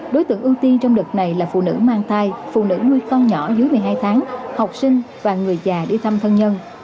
đối tượng ưu tiên trong đợt này là phụ nữ mang thai phụ nữ nuôi con nhỏ dưới một mươi hai tháng học sinh và người già đi thăm thân nhân